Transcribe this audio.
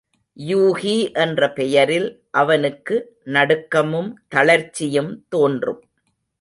யூகி என்ற பெயரில் அவனுக்கு நடுக்கமும் தளர்ச்சியும் தோன்றும்.